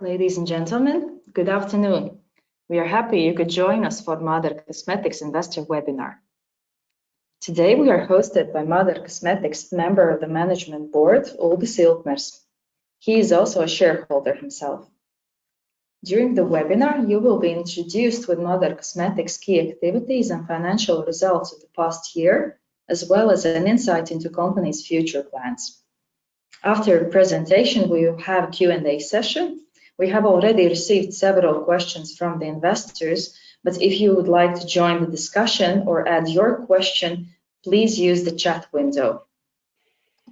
Ladies and gentlemen, good afternoon. We are happy you could join us for MÁDARA Cosmetics investor webinar. Today, we are hosted by MÁDARA Cosmetics Member of the Management Board, Uldis Iltners. He is also a shareholder himself. During the webinar, you will be introduced with MÁDARA Cosmetics key activities and financial results of the past year, as well as an insight into the company's future plans. After the presentation, we will have Q&A session. We have already received several questions from the investors, but if you would like to join the discussion or add your question, please use the chat window.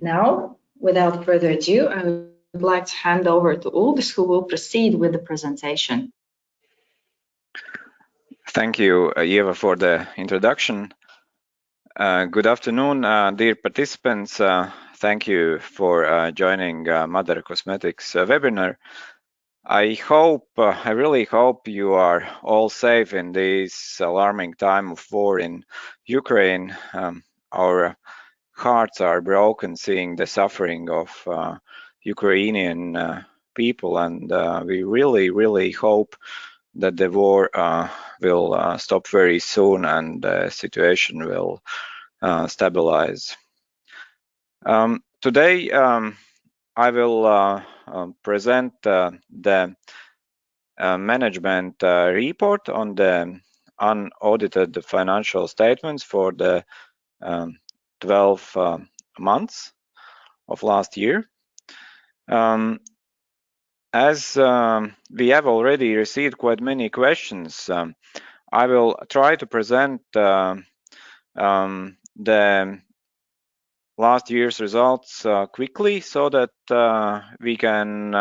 Now, without further ado, I would like to hand over to Uldis who will proceed with the presentation. Thank you, Ieva, for the introduction. Good afternoon, dear participants. Thank you for joining MÁDARA Cosmetics webinar. I really hope you are all safe in this alarming time of war in Ukraine. Our hearts are broken seeing the suffering of Ukrainian people, and we really hope that the war will stop very soon and the situation will stabilize. Today, I will present the management report on the unaudited financial statements for the 12 months of last year. As we have already received quite many questions, I will try to present the last year's results quickly so that we can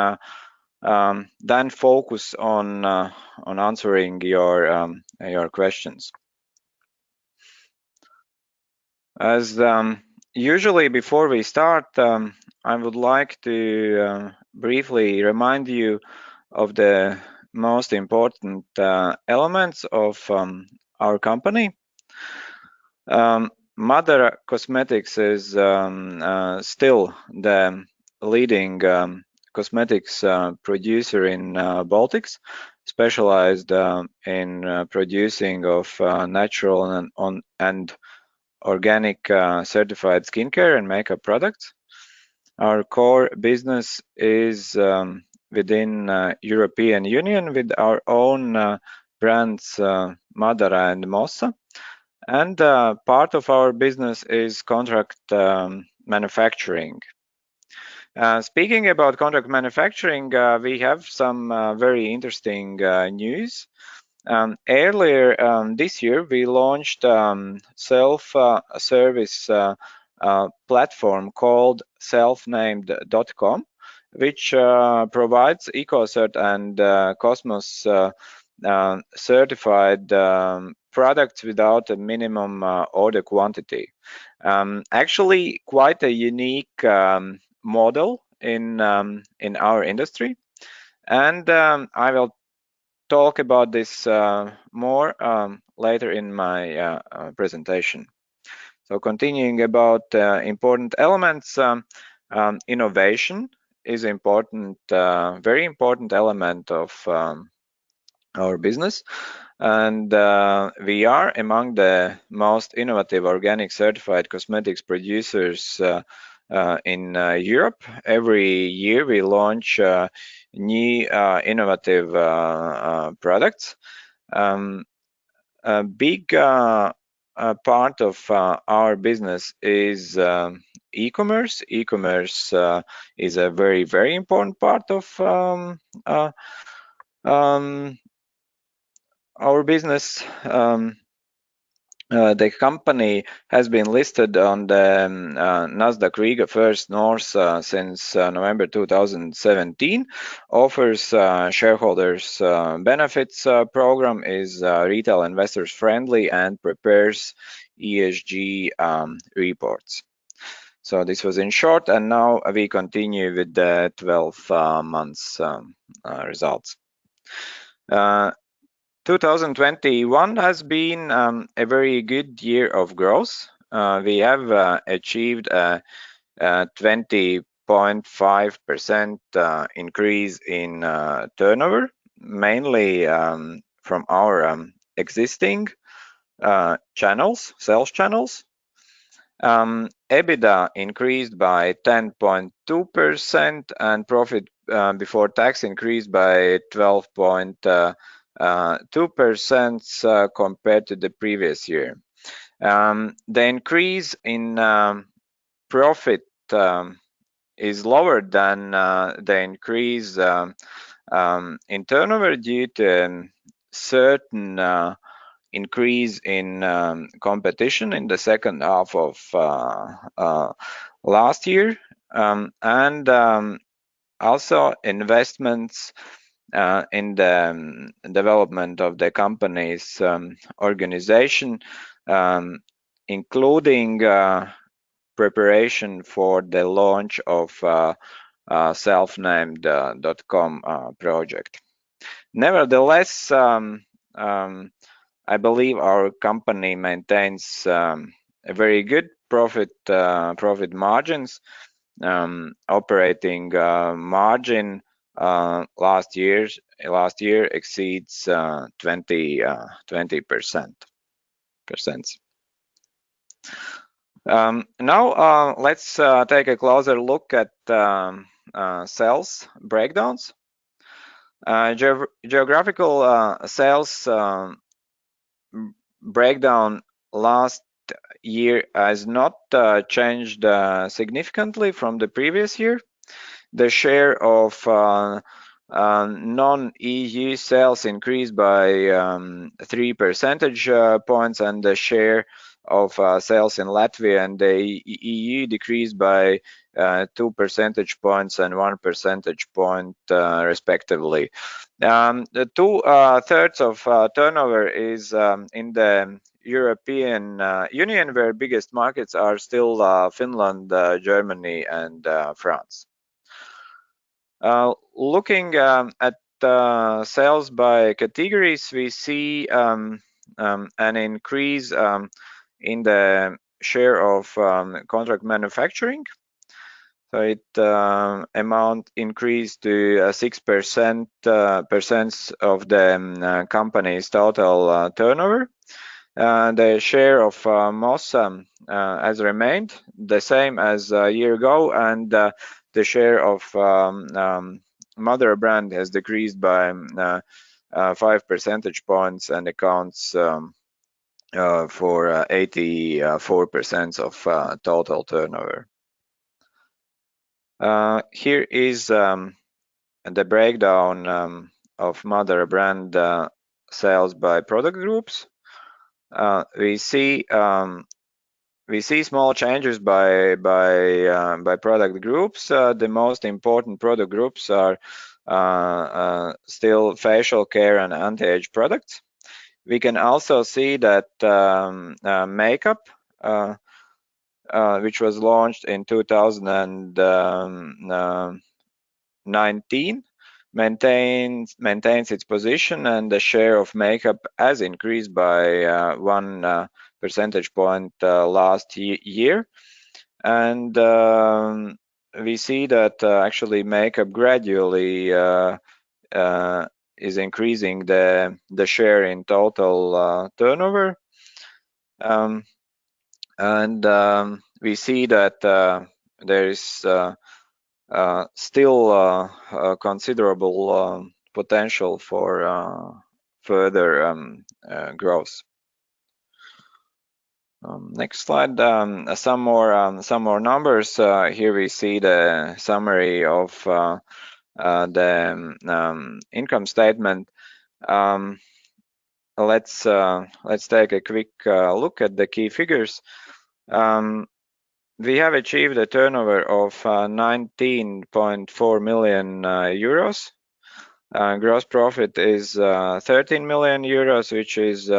then focus on answering your questions. As usually, before we start, I would like to briefly remind you of the most important elements of our company. MÁDARA Cosmetics is still the leading cosmetics producer in Baltics, specialized in producing of natural and organic certified skincare and makeup products. Our core business is within the European Union with our own brands, MÁDARA and MOSSA, and part of our business is contract manufacturing. Speaking about contract manufacturing, we have some very interesting news. Earlier this year, we launched self-service platform called Selfnamed.com, which provides ECOCERT and COSMOS certified products without a minimum order quantity. Actually, quite a unique model in our industry, and I will talk about this more later in my presentation. Continuing about important elements. Innovation is a very important element of our business, and we are among the most innovative organic certified cosmetics producers in Europe. Every year, we launch new innovative products. A big part of our business is e-commerce. E-commerce is a very important part of our business. The company has been listed on the Nasdaq Riga First North since November 2017, offers shareholders benefits program, is retail investors friendly, and prepares ESG reports. This was in short, and now we continue with the 12-month results. 2021 has been a very good year of growth. We have achieved a 20.5% increase in turnover, mainly from our existing sales channels. EBITDA increased by 10.2%, and profit before tax increased by 12.2% compared to the previous year. The increase in profit is lower than the increase in turnover due to certain increase in competition in the second half of last year, and also investments in the development of the company's organization, including preparation for the launch of Selfnamed.com project. Nevertheless, I believe our company maintains very good profit margins. Operating margin last year exceeds 20%. Now let's take a closer look at sales breakdowns. Geographical sales breakdown last year has not changed significantly from the previous year. The share of non-EU sales increased by 3 percentage points, and the share of sales in Latvia and the EU decreased by 2 percentage points and 1 percentage point, respectively. Two-thirds of turnover is in the European Union, where biggest markets are still Finland, Germany, and France. Looking at sales by categories, we see an increase in the share of contract manufacturing. Its amount increased to 6% of the company's total turnover. The share of MOSSA has remained the same as a year ago, and the share of MÁDARA brand has decreased by 5 percentage points and accounts for 84% of total turnover. Here is the breakdown of MÁDARA brand sales by product groups. We see small changes by product groups. The most important product groups are still facial care and anti-age products. We can also see that makeup, which was launched in 2019, maintains its position, and the share of makeup has increased by 1 percentage point last year. We see that actually makeup gradually is increasing the share in total turnover. We see that there is still considerable potential for further growth. Next slide. Some more numbers. Here we see the summary of the income statement. Let's take a quick look at the key figures. We have achieved a turnover of 19.4 million euros. Gross profit is 13 million euros, which is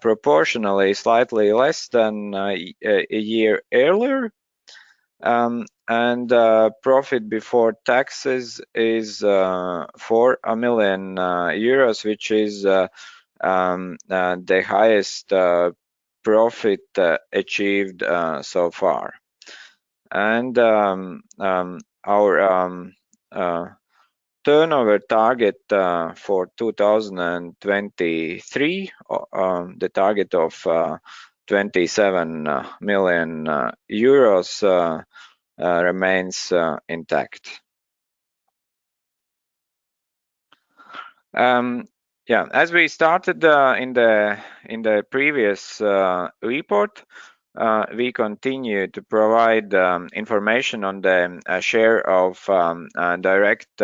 proportionally slightly less than a year earlier. Profit before taxes is 4 million euros, which is the highest profit achieved so far. Our turnover target for 2023, the target of 27 million euros, remains intact. As we started in the previous report, we continue to provide information on the share of direct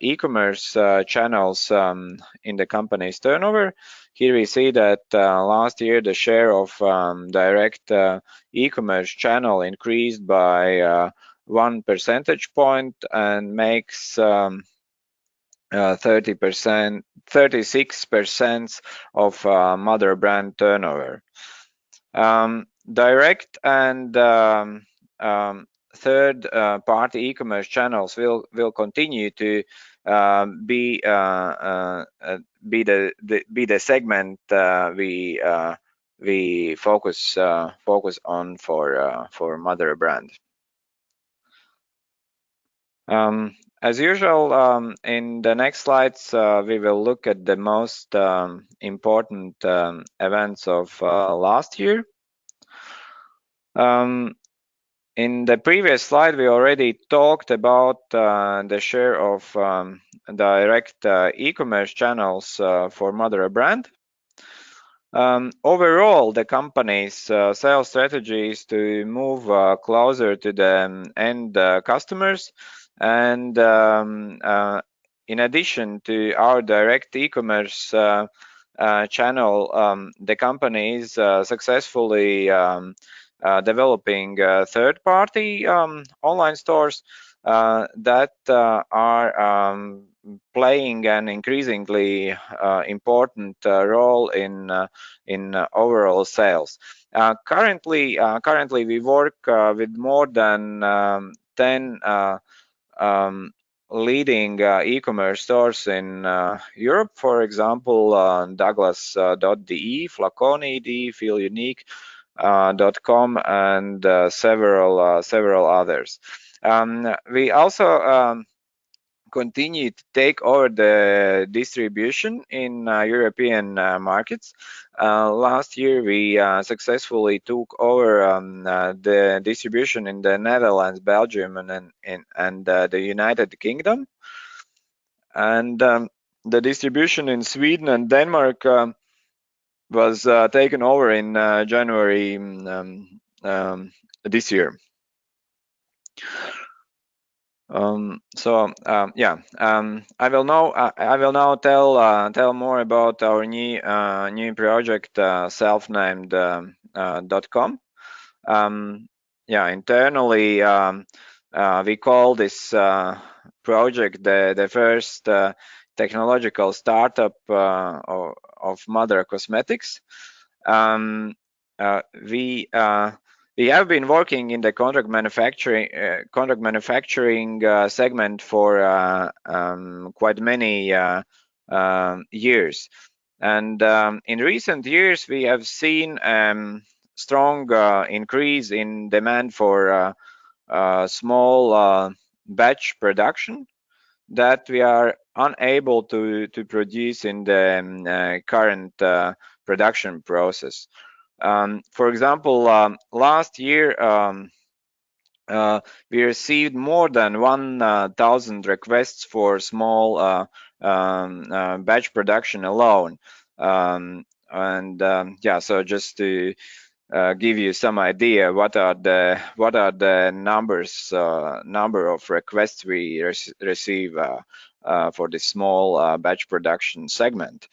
e-commerce channels in the company's turnover. Here we see that last year, the share of direct e-commerce channel increased by 1 percentage point and makes 36% of MÁDARA brand turnover. Direct and third-party e-commerce channels will continue to be the segment we focus on for MÁDARA brand. As usual, in the next slides, we will look at the most important events of last year. In the previous slide, we already talked about the share of direct e-commerce channels for MÁDARA brand. Overall, the company's sales strategy is to move closer to the end customers. In addition to our direct e-commerce channel, the company is successfully developing third-party online stores that are playing an increasingly important role in overall sales. Currently, we work with more than 10 leading e-commerce stores in Europe, for example, douglas.de, flaconi.de, feelunique.com, and several others. We also continued to take over the distribution in European markets. Last year, we successfully took over the distribution in the Netherlands, Belgium, and the United Kingdom. The distribution in Sweden and Denmark was taken over in January this year. Yeah. I will now tell more about our new project, Selfnamed.com. Yeah, internally, we call this project the first technological startup of MÁDARA Cosmetics. We have been working in the contract manufacturing segment for quite many years. In recent years, we have seen strong increase in demand for small batch production that we are unable to produce in the current production process. For example, last year, we received more than 1,000 requests for small batch production alone. Yeah, just to give you some idea what are the number of requests we receive for this small batch production segment.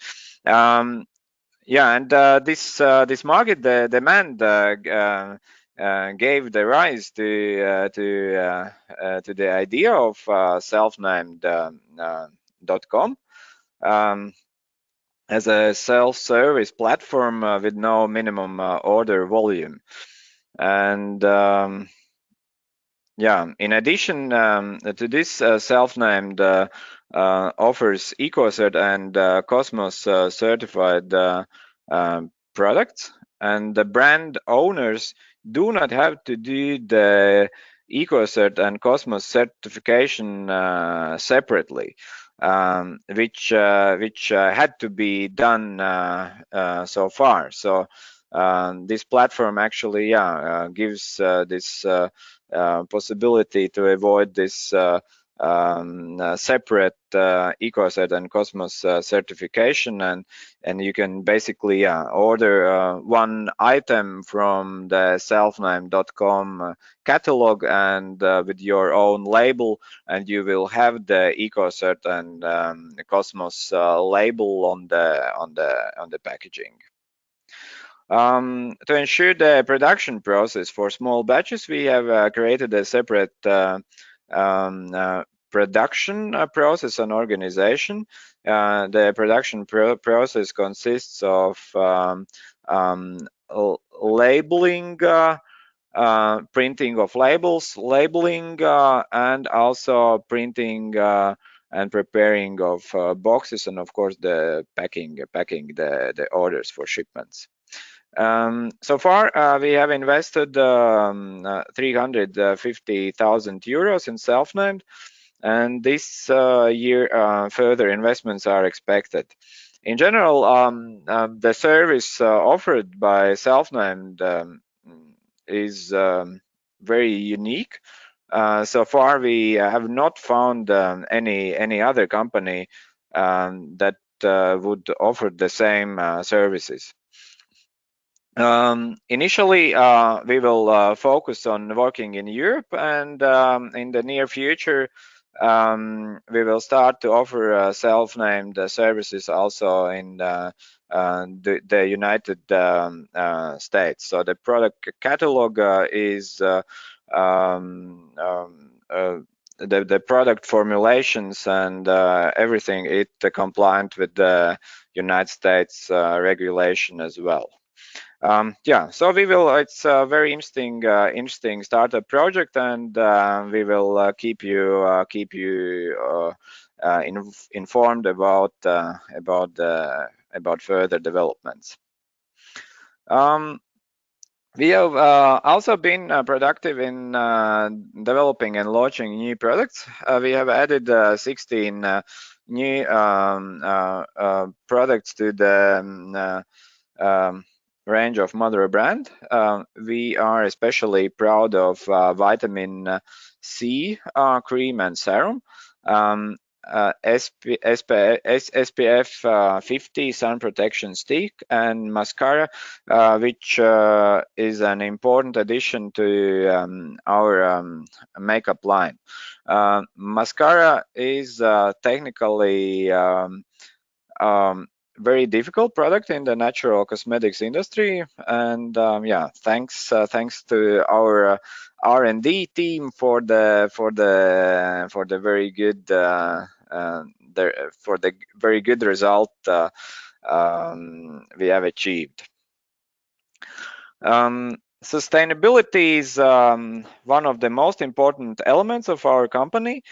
Yeah, this market demand gave rise to the idea of Selfnamed.com as a self-service platform with no minimum order volume. Yeah. In addition to this, Selfnamed offers ECOCERT and COSMOS certified products, and the brand owners do not have to do the ECOCERT and COSMOS certification separately, which had to be done so far. This platform actually gives this possibility to avoid this separate ECOCERT and COSMOS certification, and you can basically order one item from the Selfnamed.com catalog and with your own label, and you will have the ECOCERT and COSMOS label on the packaging. To ensure the production process for small batches, we have created a separate production process and organization. The production process consists of labeling, printing of labels, and also printing and preparing of boxes, and of course, packing the orders for shipments. So far, we have invested 350,000 euros in Selfnamed, and this year, further investments are expected. In general, the service offered by Selfnamed is very unique. So far, we have not found any other company that would offer the same services. Initially, we will focus on working in Europe, and in the near future, we will start to offer Selfnamed services also in the United States. The product catalog is the product formulations and everything, it's compliant with the United States regulation as well. Yeah. It's a very interesting startup project, and we will keep you informed about further developments. We have also been productive in developing and launching new products. We have added 16 new products to the range of MÁDARA brand. We are especially proud of Vitamin C cream and serum, SPF 50 sun protection stick, and mascara, which is an important addition to our makeup line. Mascara is technically very difficult product in the natural cosmetics industry, and yeah, thanks to our R&D team for the very good result we have achieved. Sustainability is one of the most important elements of our company.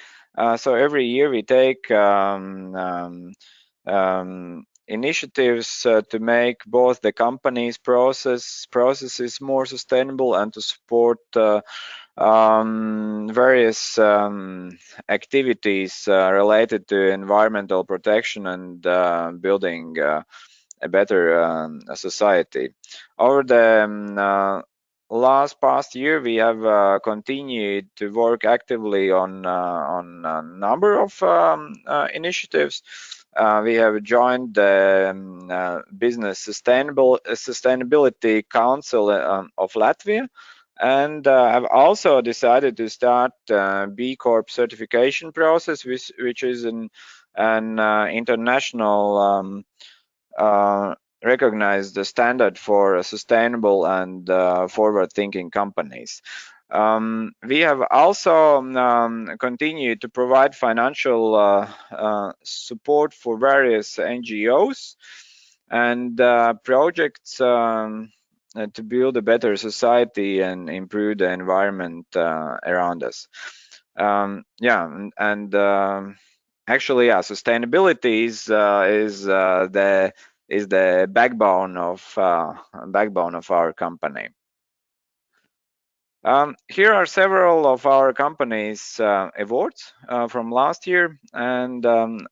Every year we take initiatives to make both the company's processes more sustainable and to support various activities related to environmental protection and building a better society. Over the last year, we have continued to work actively on a number of initiatives. We have joined the Business Sustainability Council of Latvia and have also decided to start B Corp certification process, which is an international recognized standard for sustainable and forward-thinking companies. We have also continued to provide financial support for various NGOs and projects to build a better society and improve the environment around us. Yeah. Actually, sustainability is the backbone of our company. Here are several of our company's awards from last year and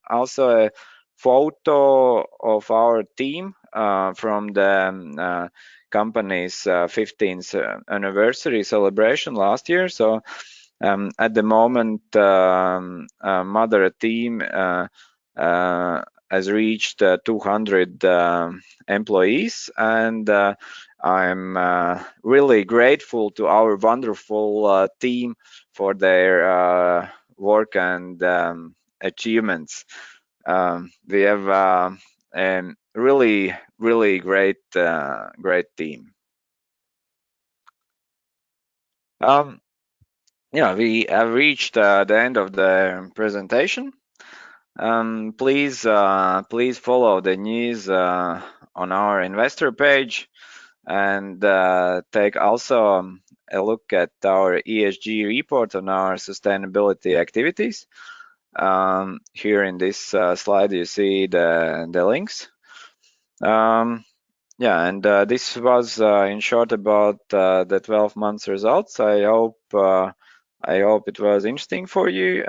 also a photo of our team from the company's 15th anniversary celebration last year. At the moment, MÁDARA team has reached 200 employees and I'm really grateful to our wonderful team for their work and achievements. We have a really great team. We have reached the end of the presentation. Please follow the news on our investor page and take also a look at our ESG report on our sustainability activities. Here in this slide, you see the links. Yeah, this was in short about the 12 months results. I hope it was interesting for you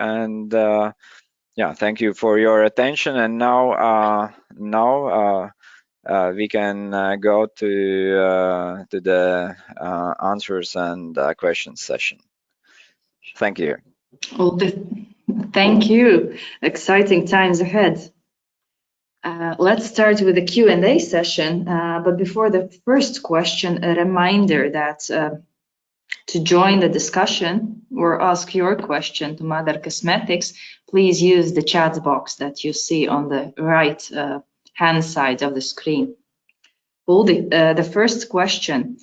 and thank you for your attention. Now we can go to the answers and questions session. Thank you. Thank you. Exciting times ahead. Let's start with the Q&A session. Before the first question, a reminder that to join the discussion or ask your question to MÁDARA Cosmetics, please use the chat box that you see on the right-hand side of the screen. Uldis, the first question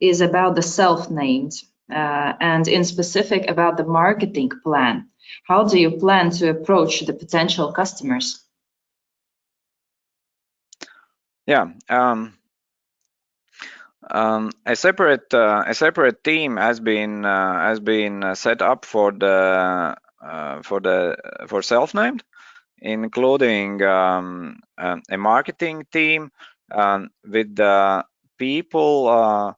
is about the Selfnamed, and in specific about the marketing plan. How do you plan to approach the potential customers? Yeah. A separate team has been set up for Selfnamed, including a marketing team with people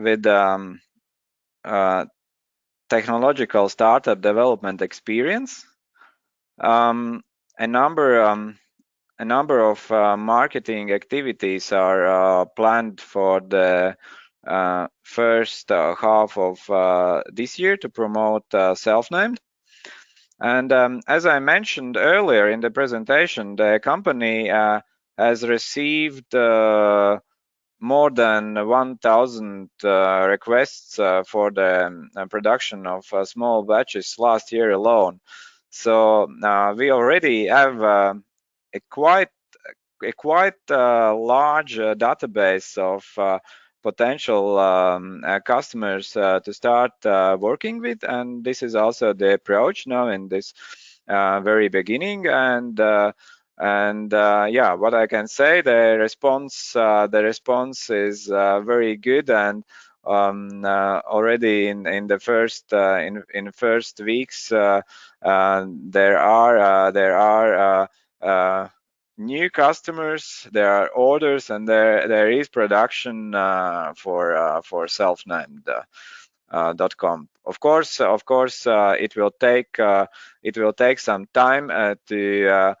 with technological startup development experience. A number of marketing activities are planned for the first half of this year to promote Selfnamed. As I mentioned earlier in the presentation, the company has received more than 1,000 requests for the production of small batches last year alone. Now we already have a quite large database of potential customers to start working with, and this is also the approach now in this very beginning. What I can say, the response is very good and already in first weeks, there are new customers, there are orders and there is production for Selfnamed.com. Of course, it will take some time to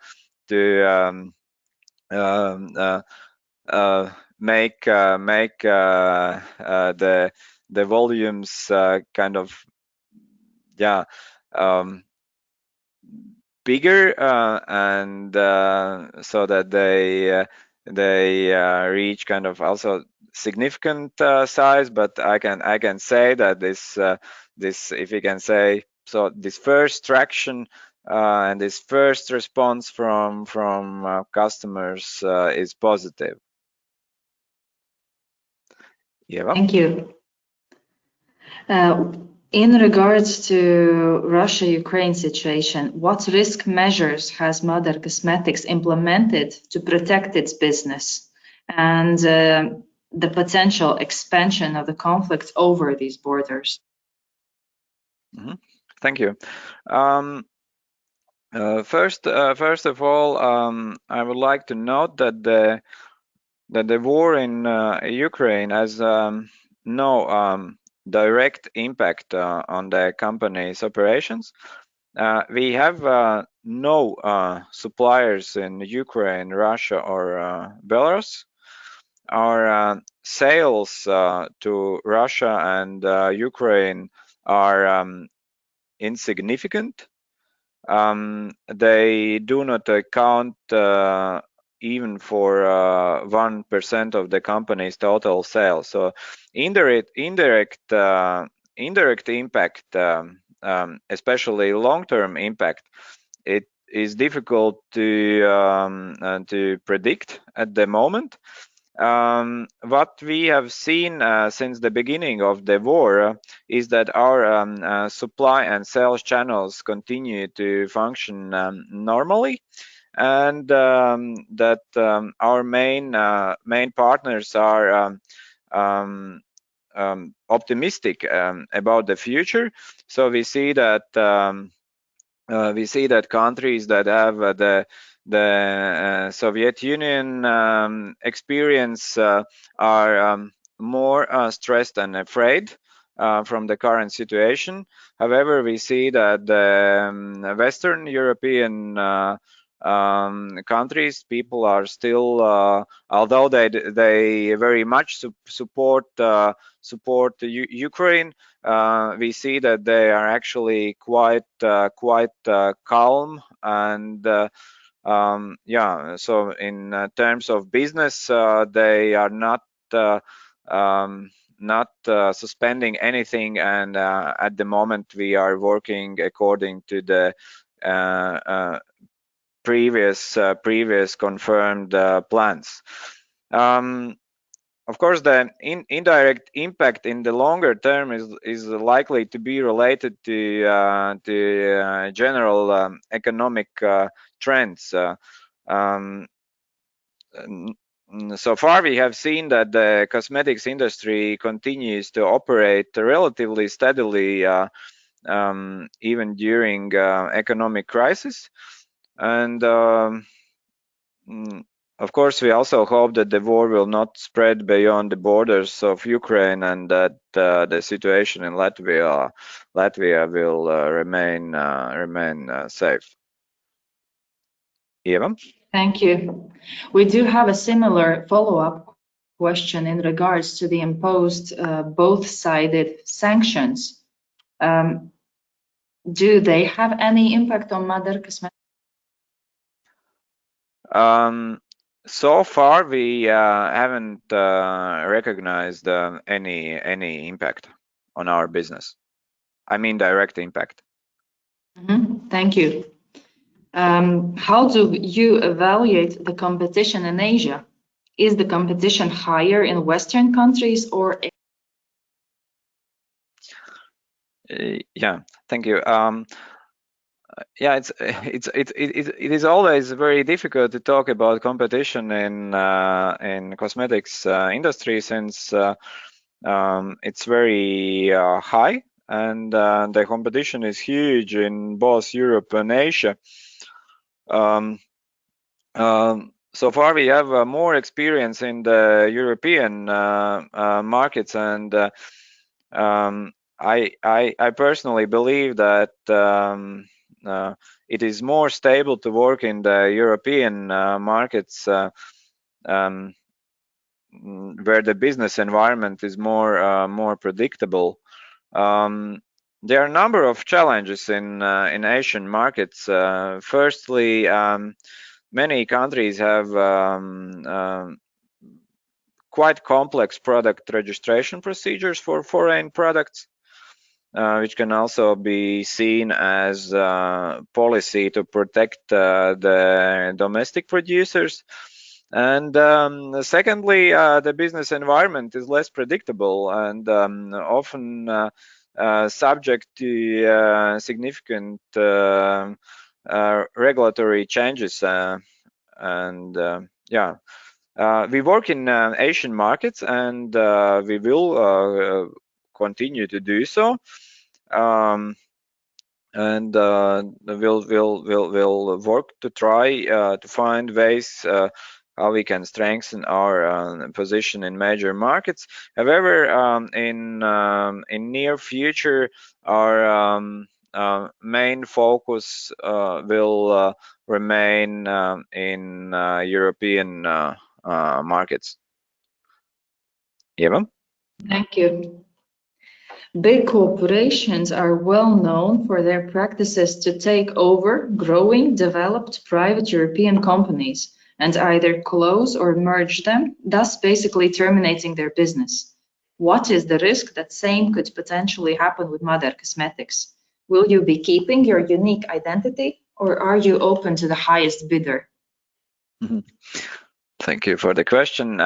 make the volumes kind of bigger so that they reach kind of also significant size. I can say that this first traction and this first response from customers is positive. Yeah. Thank you. In regards to the Russia-Ukraine situation, what risk measures has MÁDARA Cosmetics implemented to protect its business and the potential expansion of the conflict over these borders? Thank you. First of all, I would like to note that the war in Ukraine has no direct impact on the company's operations. We have no suppliers in Ukraine, Russia, or Belarus. Our sales to Russia and Ukraine are insignificant. They do not account even for 1% of the company's total sales. Indirect impact, especially long-term impact, it is difficult to predict at the moment. What we have seen since the beginning of the war is that our supply and sales channels continue to function normally, and that our main partners are optimistic about the future. We see that countries that have the Soviet Union experience are more stressed and afraid from the current situation. However, we see that the Western European countries, although they very much support Ukraine, we see that they are actually quite calm. Yeah, so in terms of business, they are not suspending anything, and at the moment, we are working according to the previous confirmed plans. Of course, the indirect impact in the longer term is likely to be related to general economic trends. So far, we have seen that the cosmetics industry continues to operate relatively steadily even during economic crisis. Of course, we also hope that the war will not spread beyond the borders of Ukraine and that the situation in Latvia will remain safe. Ieva? Thank you. We do have a similar follow-up question in regards to the imposed both-sided sanctions. Do they have any impact on MÁDARA Cosmetics? So far, we haven't recognized any impact on our business. I mean direct impact. Thank you. How do you evaluate the competition in Asia? Is the competition higher in Western countries or Asia? Yeah. Thank you. Yeah, it is always very difficult to talk about competition in the cosmetics industry since it's very high, and the competition is huge in both Europe and Asia. So far, we have more experience in the European markets, and I personally believe that it is more stable to work in the European markets, where the business environment is more predictable. There are a number of challenges in Asian markets. Firstly, many countries have quite complex product registration procedures for foreign products, which can also be seen as a policy to protect the domestic producers. Secondly, the business environment is less predictable and often subject to significant regulatory changes. Yeah. We work in Asian markets, and we will continue to do so. We'll work to try to find ways how we can strengthen our position in major markets. However, in near future, our main focus will remain in European markets. Ieva? Thank you. Big corporations are well-known for their practices to take over growing, developed private European companies and either close or merge them, thus basically terminating their business. What is the risk that same could potentially happen with MÁDARA Cosmetics? Will you be keeping your unique identity, or are you open to the highest bidder? Thank you for the question.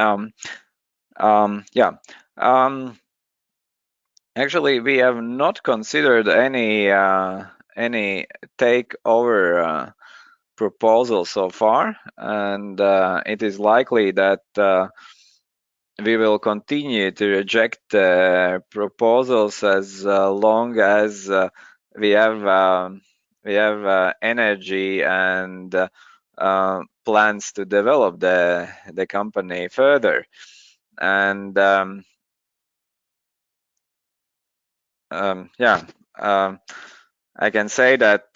Yeah. Actually, we have not considered any takeover proposal so far, and it is likely that we will continue to reject proposals as long as we have energy and plans to develop the company further. Yeah. I can say that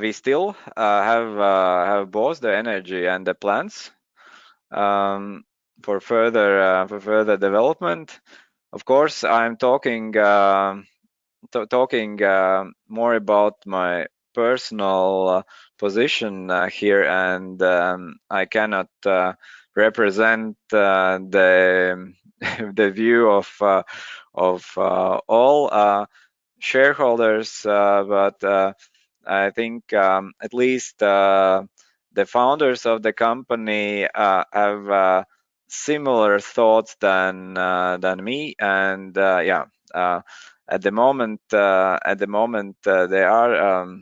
we still have both the energy and the plans for further development. Of course, I'm talking more about my personal position here, and I cannot represent the view of all shareholders. I think at least the founders of the company have similar thoughts than me. Yeah, at the moment, there are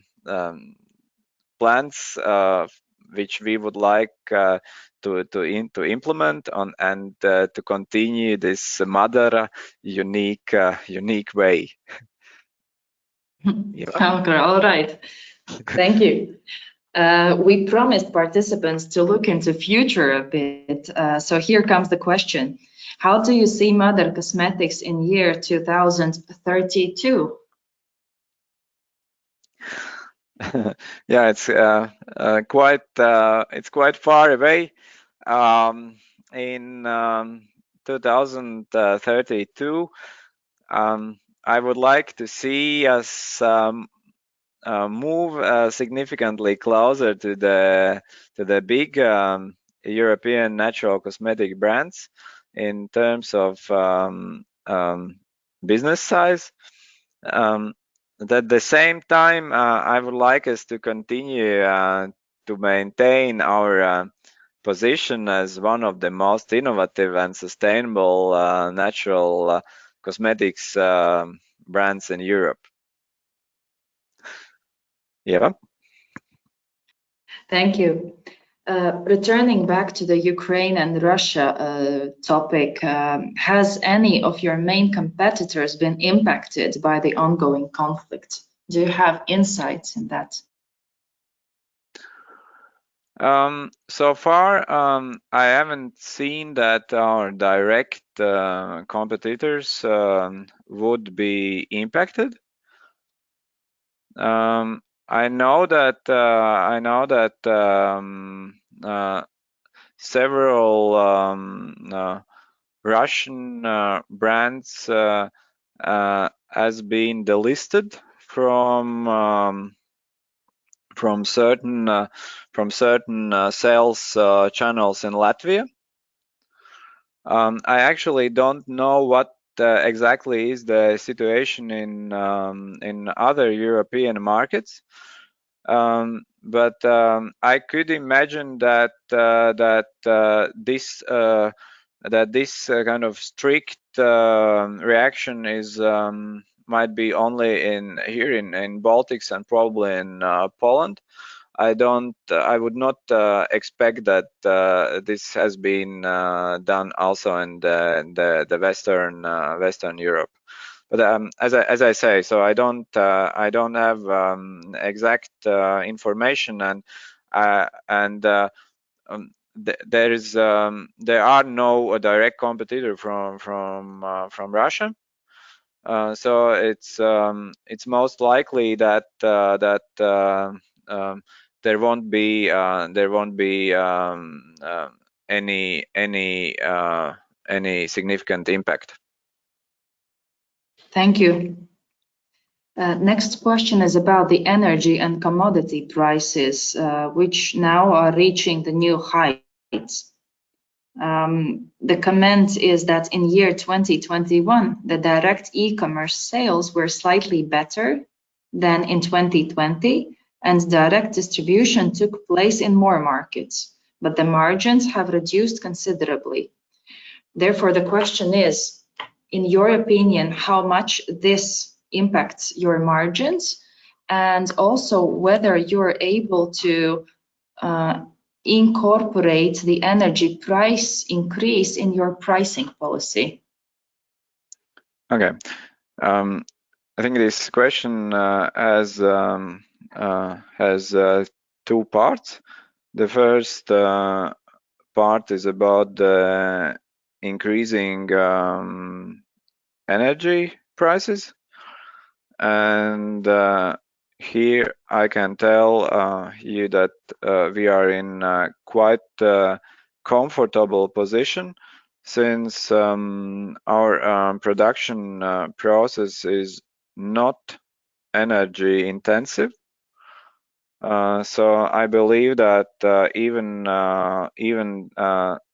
plans which we would like to implement, and to continue this MÁDARA unique way. Okay. All right. Thank you. We promised participants to look into future a bit. Here comes the question: How do you see MÁDARA Cosmetics in year 2032? Yeah, it's quite far away. In 2032, I would like to see us move significantly closer to the big European natural cosmetic brands in terms of business size. At the same time, I would like us to continue to maintain our position as one of the most innovative and sustainable natural cosmetics brands in Europe. Ieva? Thank you. Returning back to the Ukraine and Russia topic, has any of your main competitors been impacted by the ongoing conflict? Do you have insights into that? So far, I haven't seen that our direct competitors would be impacted. I know that several Russian brands has been delisted from certain sales channels in Latvia. I actually don't know what exactly is the situation in other European markets. I could imagine that this kind of strict reaction might be only here in Baltics and probably in Poland. I would not expect that this has been done also in the Western Europe. As I say, so I don't have exact information and there are no direct competitor from Russia. It's most likely that there won't be any significant impact. Thank you. Next question is about the energy and commodity prices, which now are reaching the new heights. The comment is that in year 2021, the direct e-commerce sales were slightly better than in 2020, and direct distribution took place in more markets, but the margins have reduced considerably. Therefore, the question is, in your opinion, how much this impacts your margins, and also whether you're able to incorporate the energy price increase in your pricing policy. Okay. I think this question has two parts. The first part is about the increasing energy prices, and here I can tell you that we are in quite a comfortable position since our production process is not energy-intensive. I believe that even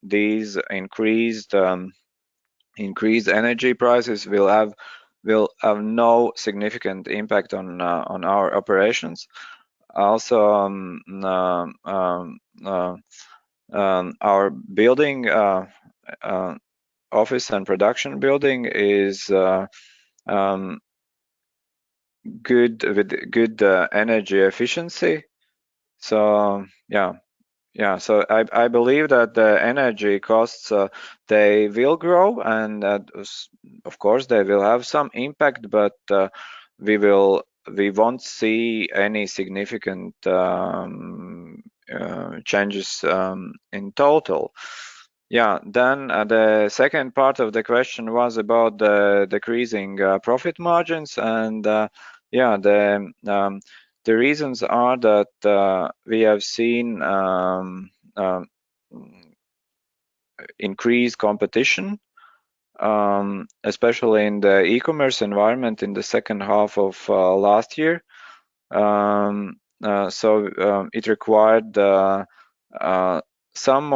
these increased energy prices will have no significant impact on our operations. Also, our office and production building is good with energy efficiency. Yeah. I believe that the energy costs, they will grow and that, of course, they will have some impact. We won't see any significant changes in total. Yeah. The second part of the question was about the decreasing profit margins. Yeah, the reasons are that we have seen increased competition, especially in the e-commerce environment in the second half of last year. It required some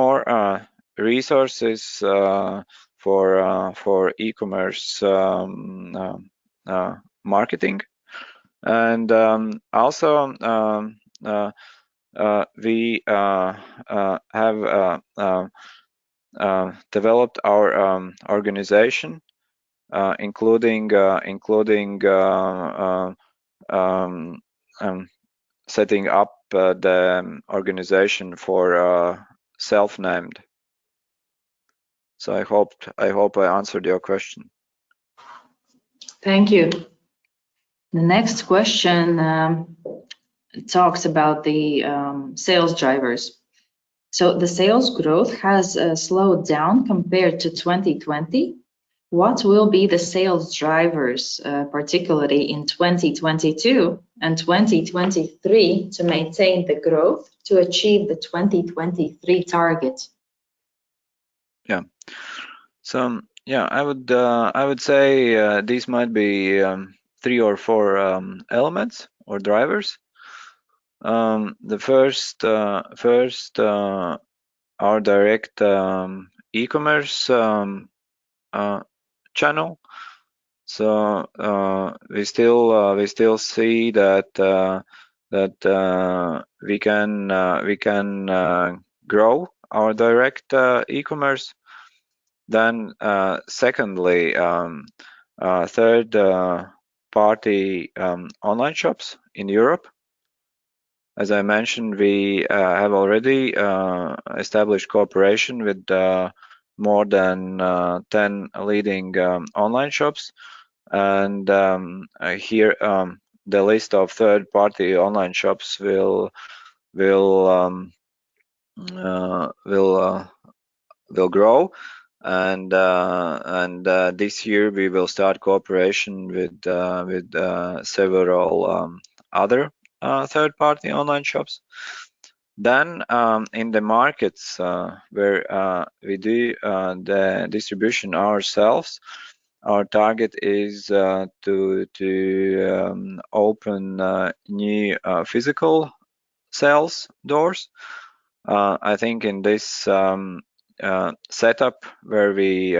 more resources for e-commerce marketing. We have developed our organization, including setting up the organization for Selfnamed. I hope I answered your question. Thank you. The next question talks about the sales drivers. The sales growth has slowed down compared to 2020. What will be the sales drivers, particularly in 2022 and 2023, to maintain the growth to achieve the 2023 target? Yeah. I would say these might be three or four elements or drivers. The first, our direct e-commerce channel. We still see that we can grow our direct e-commerce. Secondly, third-party online shops in Europe. As I mentioned, we have already established cooperation with more than 10 leading online shops. Here the list of third-party online shops will grow. This year we will start cooperation with several other third-party online shops. In the markets where we do the distribution ourselves, our target is to open new physical sales doors. I think in this setup where we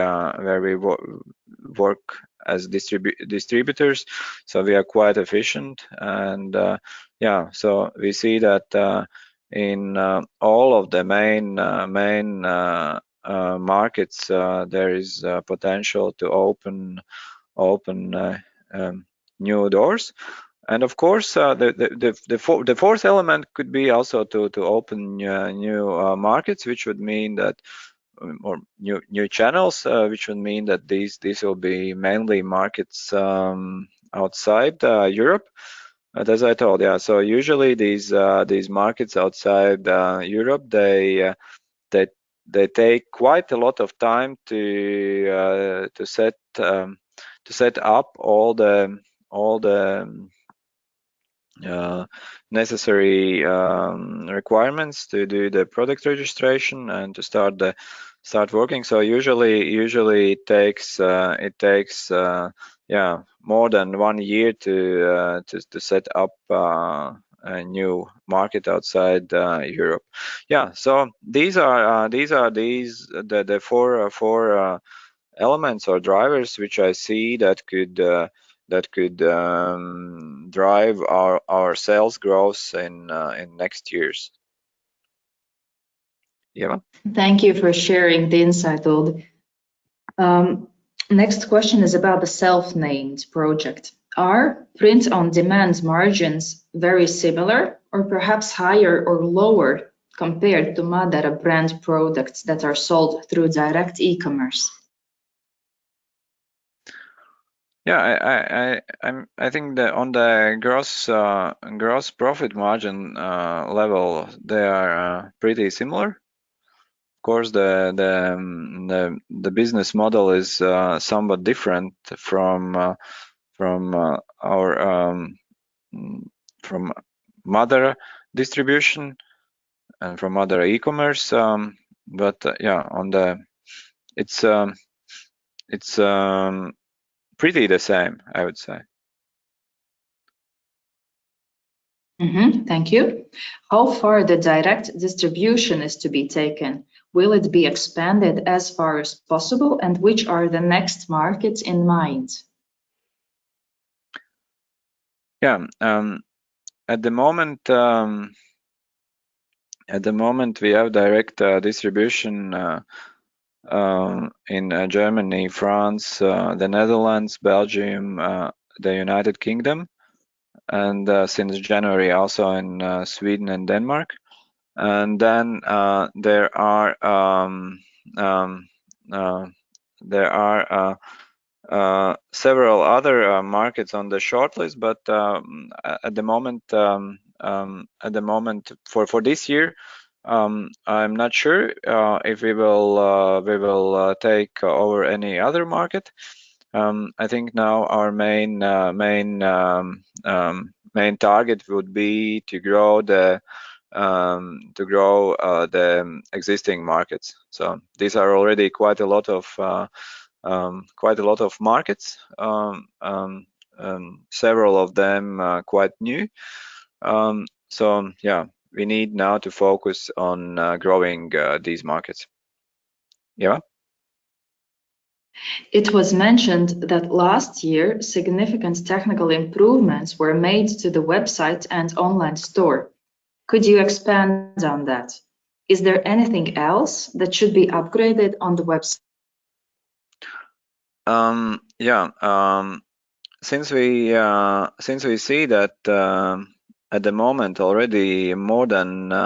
work as distributors, so we are quite efficient. Yeah, so we see that in all of the main markets there is potential to open new doors. Of course, the fourth element could be also to open new markets or new channels, which would mean that these will be mainly markets outside Europe. As I told you, so usually these markets outside Europe, they take quite a lot of time to set up all the necessary requirements to do the product registration and to start working. Usually it takes more than one year to set up a new market outside Europe. Yeah. These are the four elements or drivers which I see that could drive our sales growth in next years. Yeah. Thank you for sharing the insight, Uldis. Next question is about the Selfnamed project. Are print-on-demand margins very similar or perhaps higher or lower compared to MÁDARA brand products that are sold through direct e-commerce? Yeah. I think on the gross profit margin level, they are pretty similar. Of course, the business model is somewhat different from MÁDARA distribution and from other e-commerce. Yeah, it's pretty the same, I would say. Thank you. How far the direct distribution is to be taken? Will it be expanded as far as possible, and which are the next markets in mind? Yeah. At the moment, we have direct distribution in Germany, France, the Netherlands, Belgium, the United Kingdom, and since January, also in Sweden and Denmark. There are several other markets on the shortlist, but at the moment, for this year, I'm not sure if we will take over any other market. I think now our main target would be to grow the existing markets. These are already quite a lot of markets. Several of them are quite new. Yeah, we need now to focus on growing these markets. Ieva? It was mentioned that last year, significant technical improvements were made to the website and online store. Could you expand on that? Is there anything else that should be upgraded on the website? Yeah. Since we see that at the moment, already more than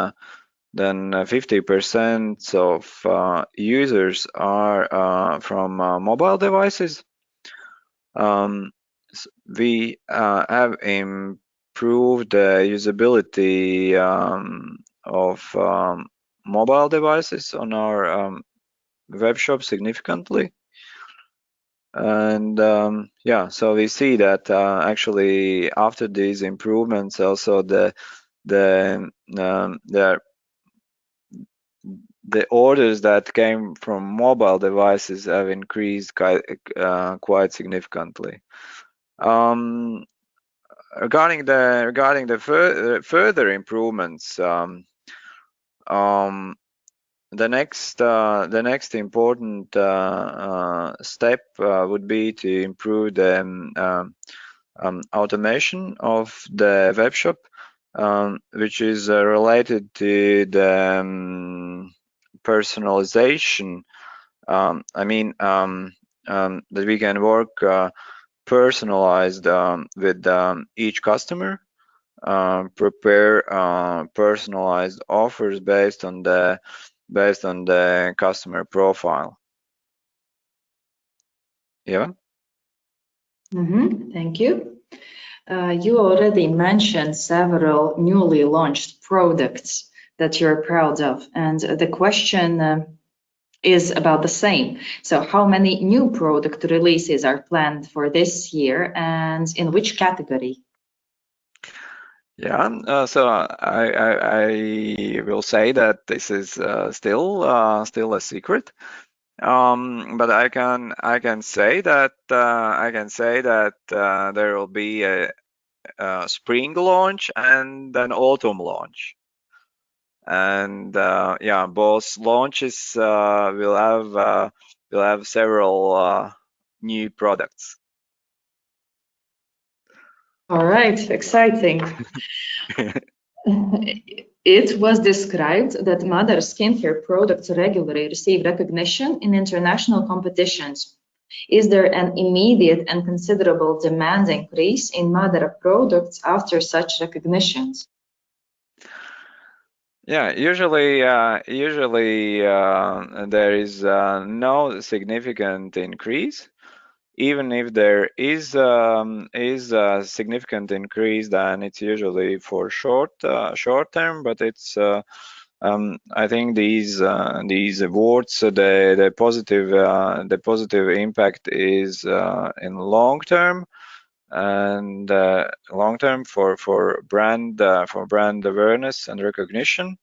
50% of users are from mobile devices, we have improved the usability of mobile devices on our webshop significantly. Yeah, so we see that actually after these improvements also the orders that came from mobile devices have increased quite significantly. Regarding the further improvements, the next important step would be to improve the automation of the webshop which is related to the personalization. I mean, that we can work personalized with each customer, prepare personalized offers based on the customer profile. Ieva? Thank you. You already mentioned several newly launched products that you're proud of, and the question is about the same. How many new product releases are planned for this year, and in which category? Yeah. I will say that this is still a secret. I can say that there will be a spring launch and an autumn launch. Yeah, both launches will have several new products. All right. Exciting. It was described that MÁDARA skin care products regularly receive recognition in international competitions. Is there an immediate and considerable demand increase in MÁDARA products after such recognitions? Yeah. Usually, there is no significant increase. Even if there is a significant increase, then it's usually for short term, but I think these awards, the positive impact is in long term, and long term for brand awareness and recognition.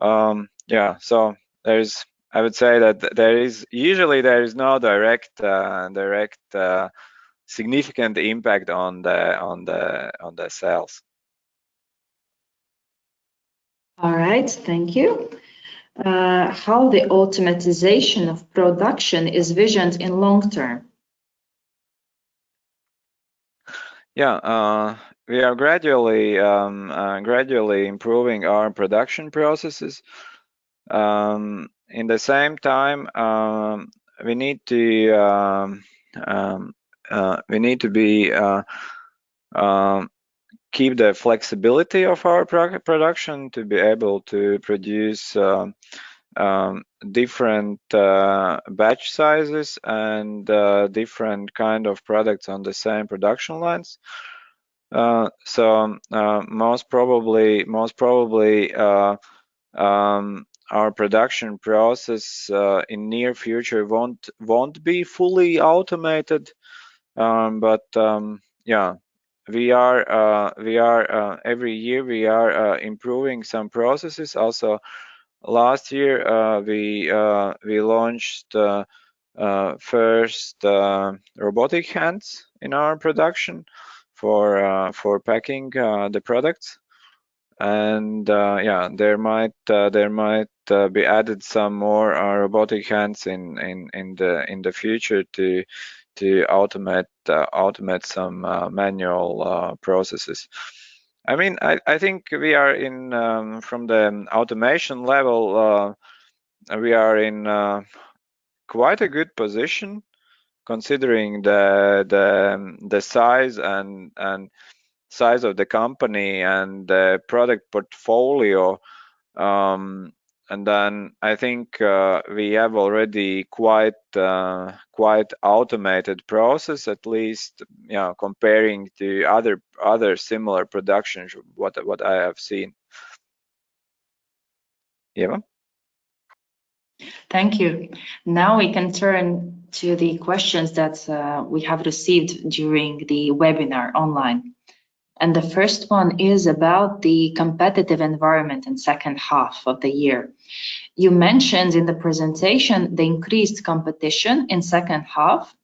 Yeah, so I would say that usually, there is no direct significant impact on the sales. All right. Thank you. How is the automation of production envisioned in the long term? Yeah. We are gradually improving our production processes. In the same time, we need to keep the flexibility of our production to be able to produce different batch sizes and different kind of products on the same production lines. Most probably, our production process in near future won't be fully automated. Yeah, every year, we are improving some processes, also. Last year, we launched first robotic hands in our production for packing the products. Yeah, there might be added some more robotic hands in the future to automate some manual processes. I think we are, from the automation level, we are in quite a good position considering the size of the company and the product portfolio. I think we have already quite automated process, at least yeah, comparing to other similar productions, what I have seen. Ieva? Thank you. Now we can turn to the questions that we have received during the webinar online. The first one is about the competitive environment in second half of the year. You mentioned in the presentation the increased competition in second half.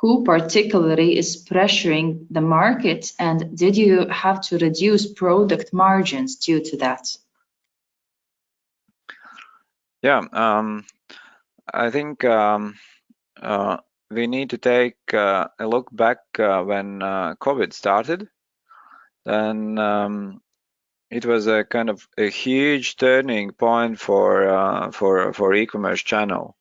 Who particularly is pressuring the market? Did you have to reduce product margins due to that? Yeah. I think we need to take a look back when COVID started, and it was a huge turning point for e-commerce channel.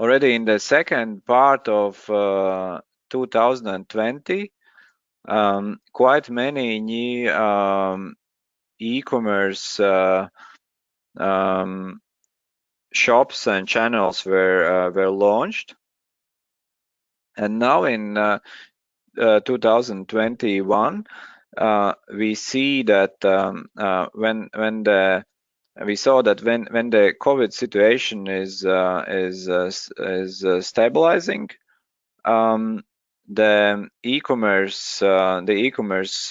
Already in the second part of 2020, quite many new e-commerce shops and channels were launched. Now in 2021, we saw that when the COVID situation is stabilizing, the e-commerce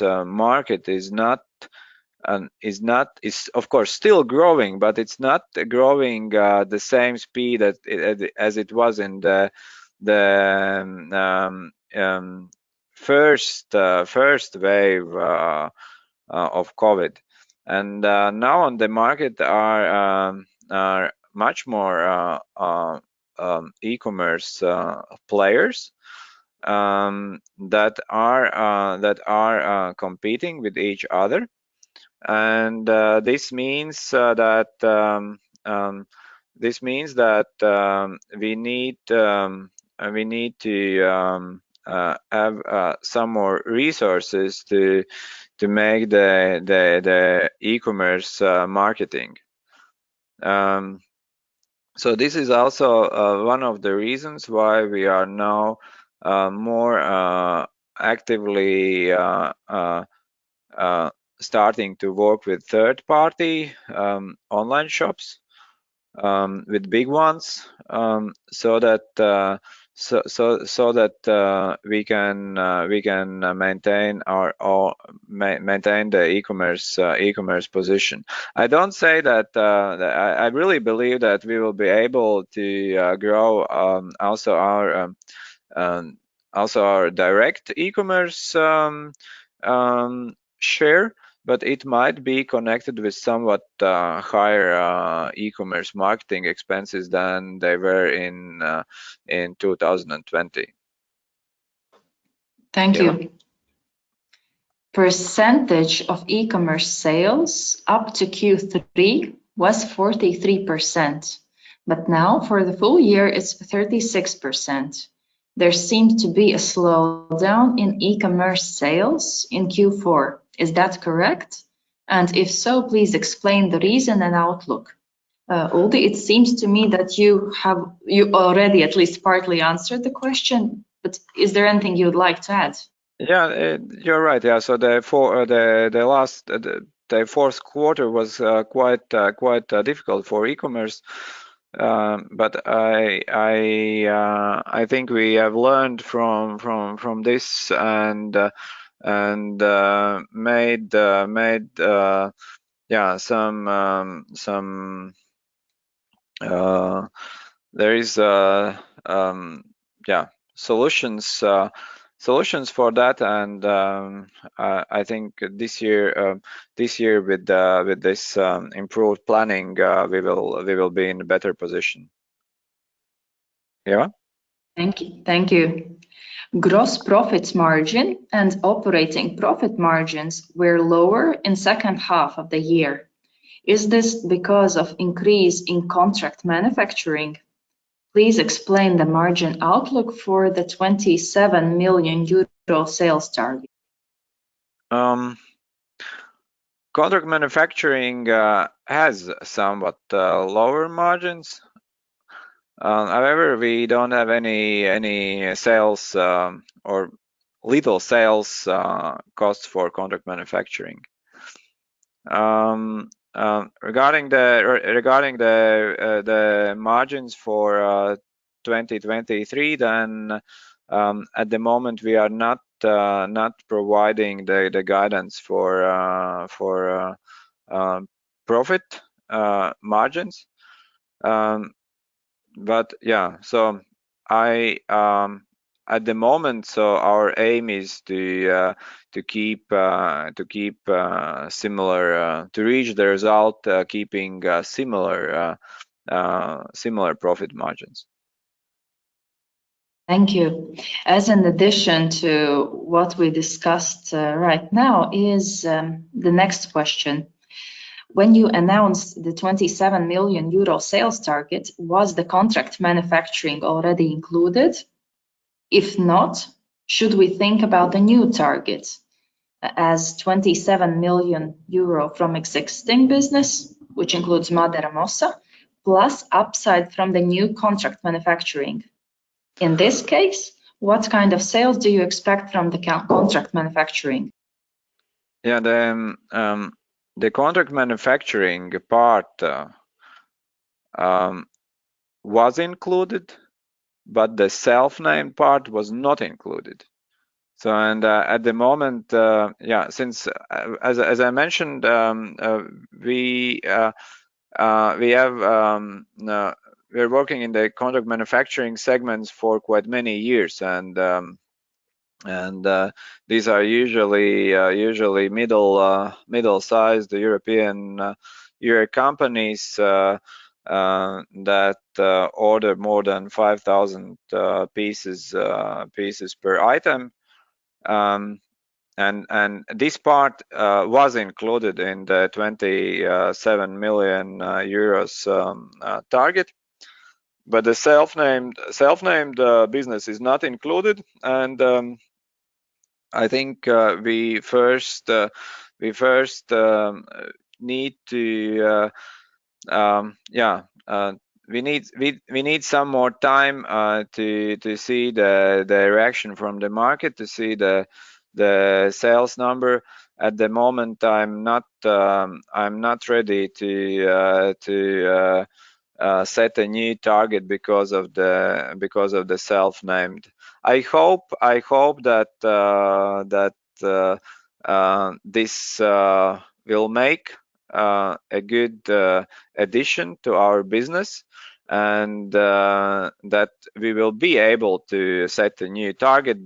market is, of course, still growing, but it's not growing the same speed as it was in the first wave of COVID. Now on the market are much more e-commerce players that are competing with each other. This means that we need to have some more resources to make the e-commerce marketing. This is also one of the reasons why we are now more actively starting to work with third-party online shops, with big ones, so that we can maintain the e-commerce position. I really believe that we will be able to grow also our direct e-commerce share, but it might be connected with somewhat higher e-commerce marketing expenses than they were in 2020. Thank you. Percentage of e-commerce sales up to Q3 was 43%, but now for the full year, it's 36%. There seemed to be a slowdown in e-commerce sales in Q4. Is that correct? If so, please explain the reason and outlook. Uldis, it seems to me that you already at least partly answered the question, but is there anything you would like to add? Yeah. You're right. Yeah. The fourth quarter was quite difficult for e-commerce. I think we have learned from this and made some solutions for that. I think this year with this improved planning, we will be in a better position. Ieva? Thank you. Gross profit margin and operating profit margins were lower in second half of the year. Is this because of increase in contract manufacturing? Please explain the margin outlook for the 27 million euro sales target. Contract manufacturing has somewhat lower margins. However, we don't have any sales or little sales costs for contract manufacturing. Regarding the margins for 2023, then at the moment we are not providing the guidance for profit margins. Yeah. At the moment, our aim is to reach the result keeping similar profit margins. Thank you. As an addition to what we discussed right now is the next question. When you announced the 27 million euro sales target, was the contract manufacturing already included? If not, should we think about the new target as 27 million euro from existing business, which includes MÁDARA, MOSSA, plus upside from the new contract manufacturing? In this case, what kind of sales do you expect from the contract manufacturing? Yeah. The contract manufacturing part was included, but the Selfnamed part was not included. At the moment, as I mentioned, we're working in the contract manufacturing segments for quite many years. These are usually middle-sized European companies that order more than 5,000 pieces per item. This part was included in the EUR 27 million target. The Selfnamed business is not included. I think we first need some more time to see the direction from the market, to see the sales number. At the moment, I'm not ready to set a new target because of the Selfnamed. I hope that this will make a good addition to our business and that we will be able to set a new target.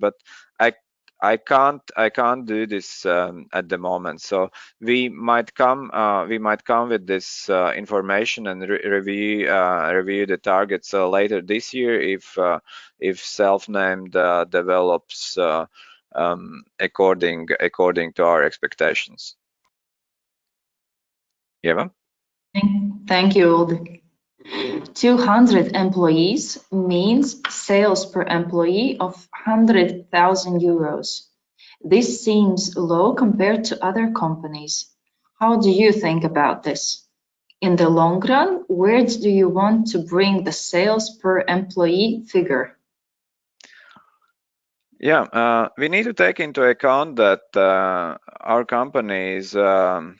I can't do this at the moment. We might come with this information and review the targets later this year if Selfnamed develops according to our expectations. Ieva? Thank you, Uldis. 200 employees means sales per employee of 100,000 euros. This seems low compared to other companies. How do you think about this? In the long run, where do you want to bring the sales per employee figure? Yeah. We need to take into account that our company is a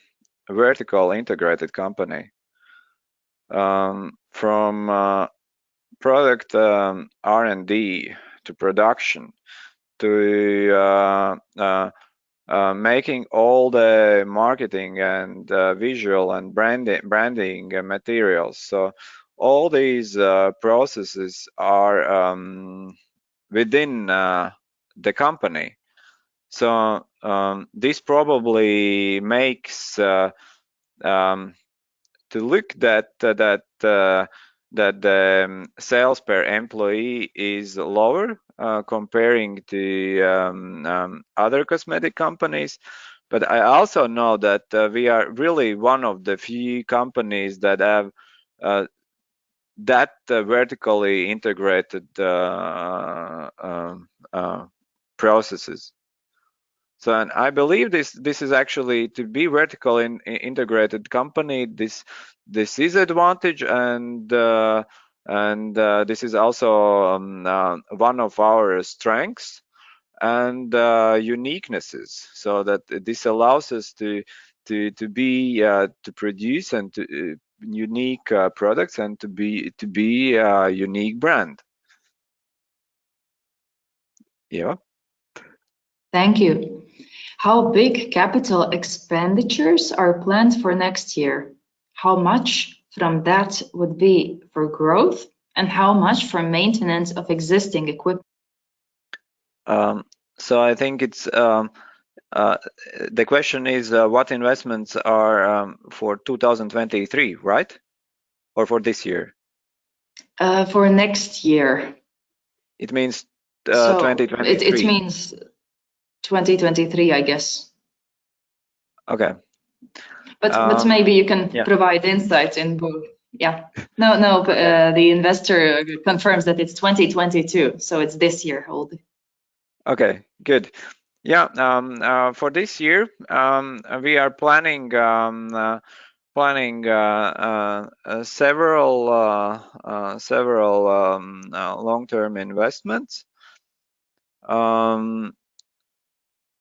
vertically integrated company. From product R&D to production to making all the marketing and visual and branding materials. All these processes are within the company. This probably makes it look that the sales per employee is lower compared to other cosmetic companies. But I also know that we are really one of the few companies that have those vertically integrated processes. And I believe this is actually to be a vertically integrated company. This is an advantage and this is also one of our strengths and uniquenesses. That this allows us to produce unique products and to be a unique brand. Ieva. Thank you. How big capital expenditures are planned for next year? How much from that would be for growth, and how much for maintenance of existing equipment? I think the question is what investments are for 2023, right? For this year? For next year. It means 2023. It means 2023, I guess. Okay. Maybe you can provide insights in both. Yeah. No, no. The investor confirms that it's 2022. It's this year, Uldis. Okay, good. Yeah. For this year, we are planning several long-term investments.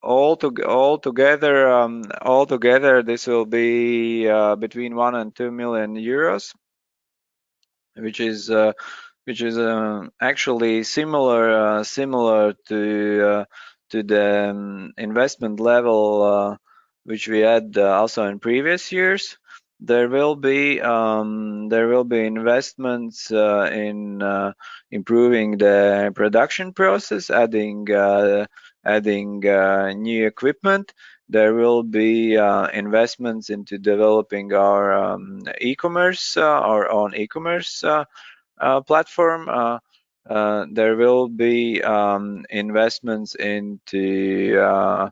All together, this will be between 1 million and 2 million euros, which is actually similar to the investment level which we had also in previous years. There will be investments in improving the production process, adding new equipment. There will be investments into developing our own e-commerce platform. There will be investments into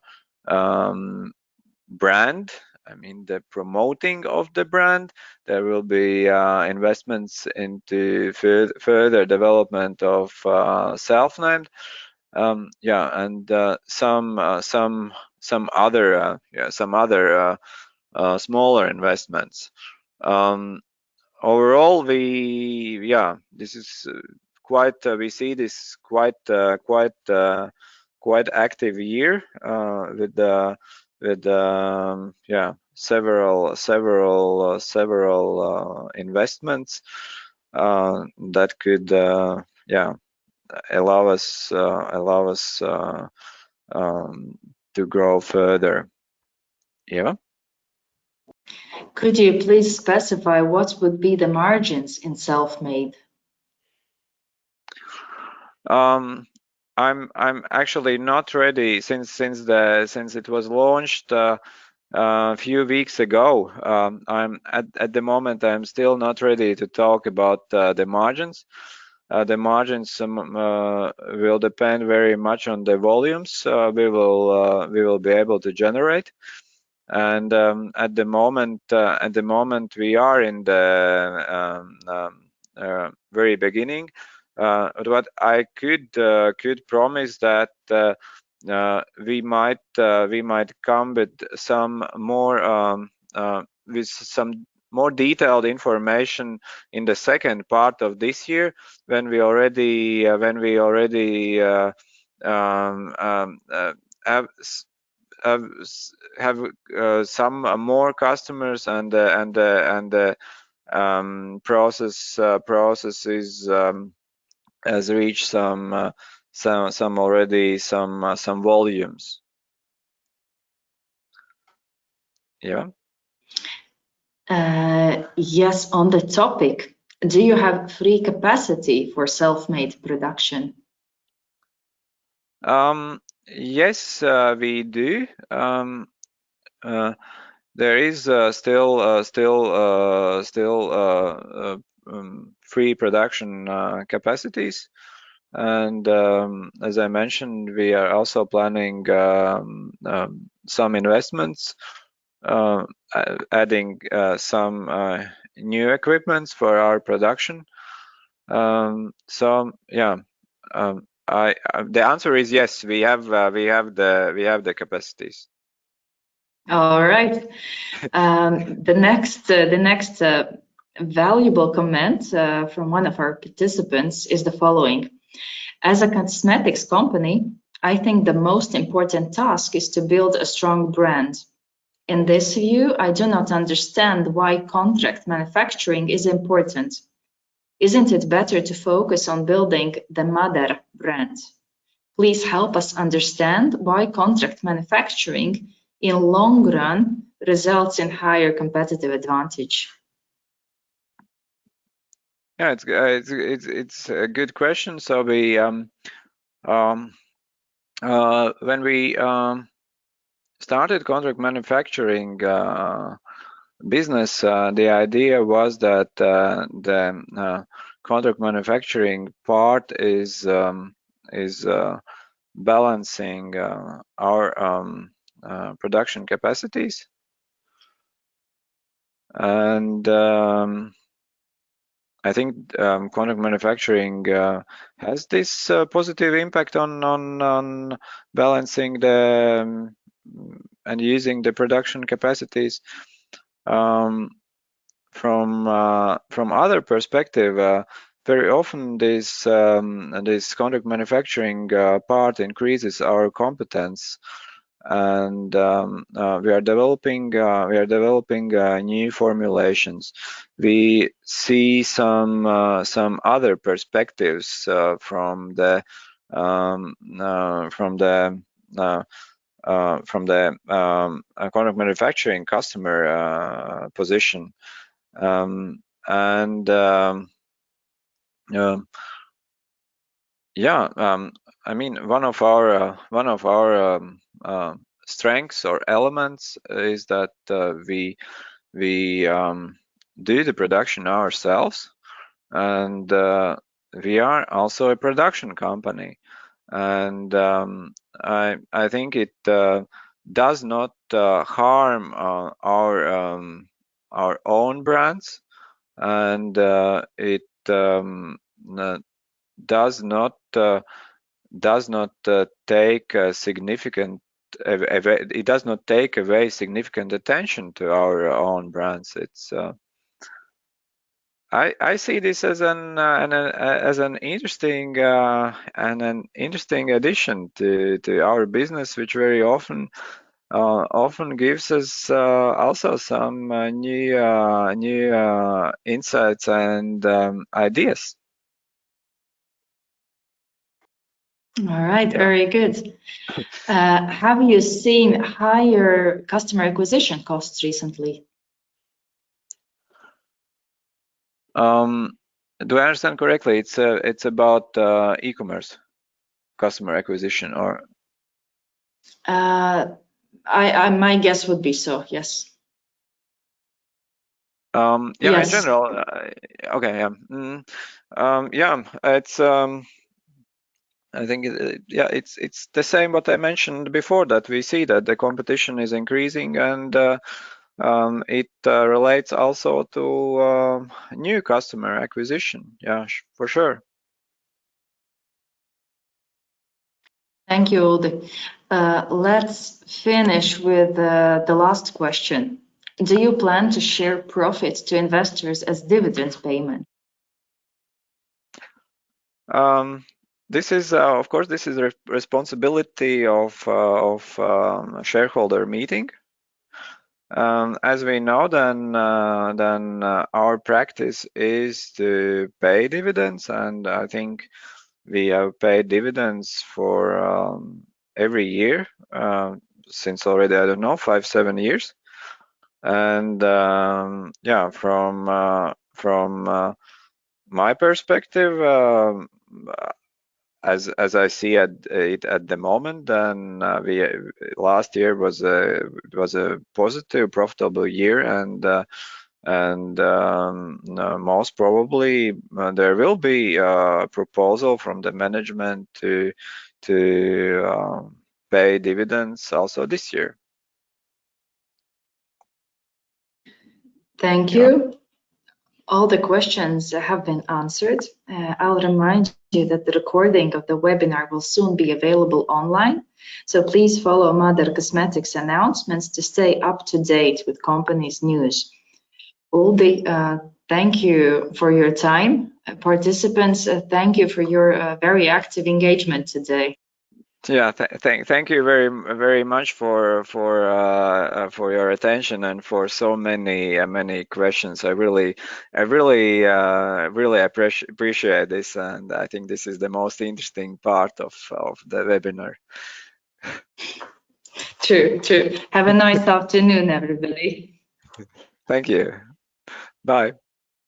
brand. I mean, the promoting of the brand. There will be investments into further development of Selfnamed. Yeah, and some other smaller investments. Overall, we see this quite active year with several investments that could allow us to grow further. Yeah? Could you please specify what would be the margins in Selfnamed? I'm actually not ready since it was launched a few weeks ago. At the moment, I'm still not ready to talk about the margins. The margins will depend very much on the volumes we will be able to generate and at the moment we are in the very beginning. What I could promise that we might come with some more detailed information in the second part of this year when we already have some more customers and the processes has reached already some volumes. Yeah. Yes. On the topic, do you have free capacity for Selfnamed production? Yes, we do. There is still free production capacities and, as I mentioned, we are also planning some investments, adding some new equipments for our production. Yeah, the answer is yes, we have the capacities. All right. The next valuable comment from one of our participants is the following: As a cosmetics company, I think the most important task is to build a strong brand. In this view, I do not understand why contract manufacturing is important. Isn't it better to focus on building the mother brand? Please help us understand why contract manufacturing in long run results in higher competitive advantage? Yeah, it's a good question. When we started contract manufacturing business, the idea was that the contract manufacturing part is balancing our production capacities, and I think contract manufacturing has this positive impact on balancing and using the production capacities. From another perspective, very often this contract manufacturing part increases our competence and we are developing new formulations. We see some other perspectives from the contract manufacturing customer position. Yeah. I mean, one of our strengths or elements is that we do the production ourselves and we are also a production company. I think it does not harm our own brands, and it does not take a very significant attention to our own brands. It's. I see this as an interesting addition to our business, which very often gives us also some new insights and ideas. All right, very good. Have you seen higher customer acquisition costs recently? Do I understand correctly? It's about e-commerce customer acquisition, or. My guess would be so, yes. Yes. In general, okay. Yeah. I think, yeah, it's the same what I mentioned before, that we see that the competition is increasing and it relates also to new customer acquisition. Yeah, for sure. Thank you, Uldis. Let's finish with the last question. Do you plan to share profits to investors as dividends payment? Of course, this is the responsibility of shareholder meeting. As we know, then our practice is to pay dividends, and I think we have paid dividends for every year since already. I don't know, five to seven years. Yeah, from my perspective, as I see it at the moment, then last year was a positive, profitable year and most probably there will be a proposal from the management to pay dividends also this year. Thank you. All the questions have been answered. I'll remind you that the recording of the webinar will soon be available online, so please follow MÁDARA Cosmetics announcements to stay up to date with company's news. Uldis, thank you for your time. Participants, thank you for your very active engagement today. Yeah. Thank you very much for your attention and for so many questions. I really appreciate this, and I think this is the most interesting part of the webinar. True. Have a nice afternoon, everybody. Thank you. Bye.